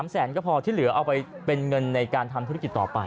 แสนก็พอที่เหลือเอาไปเป็นเงินในการทำธุรกิจต่อไป